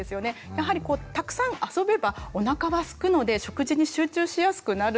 やはりこうたくさん遊べばおなかはすくので食事に集中しやすくなるんですよね。